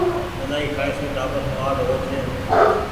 ملآئي کآئي سون ٽآٻر موآڙ هووي ڇي